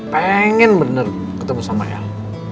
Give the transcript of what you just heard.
pengen bener ketemu sama hel